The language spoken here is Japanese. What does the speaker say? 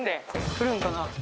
来るんかな？